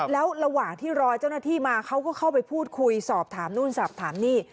แล้วระหว่างที่รอเจ้าหน้าที่มาเขาก็เข้าไปพูดคุยสอบถามนู่นสอบถามนี่